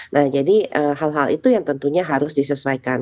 nah jadi hal hal itu yang tentunya harus disesuaikan